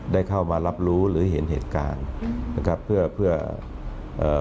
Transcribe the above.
ได้เข้ามารับรู้หรือเห็นเหตุการณ์นะครับเพื่อเพื่อเอ่อ